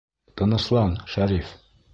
Тыныслан, Шәриф!..